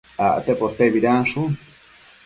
acte potebidanshun